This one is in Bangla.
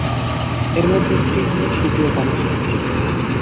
এর মধ্যে একটি হলো সুপেয় পানির সমস্যা।